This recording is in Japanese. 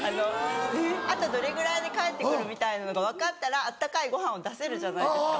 あとどれぐらいで帰ってくるみたいなのが分かったら温かいご飯を出せるじゃないですか。